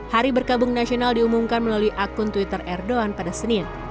hari berkabung nasional diumumkan melalui akun twitter erdogan pada senin